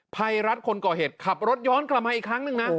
ภัยรัฐคนก่อเหตุขับรถย้อนกลับมาอีกครั้งหนึ่งนะ